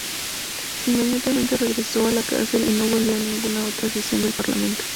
Inmediatamente regresó a la cárcel y no volvió a ninguna otra sesión del Parlamento.